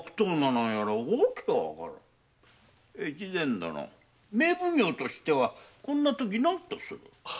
大岡殿名奉行としてはこんなとき何とする？